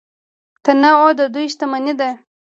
تنوع د دوی شتمني ده.